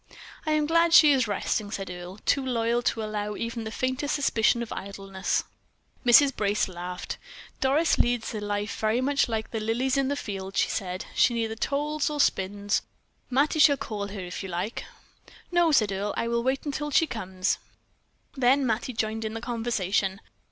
"I am glad she is resting," said Earle, too loyal to allow even the faintest suspicion of idleness. Mrs. Brace laughed. "Doris leads a life very much like the lilies in the field," she said. "She neither toils nor spins. Mattie shall call her if you like." "No," said Earle. "I will wait until she comes." Then Mattie joined in the conversation.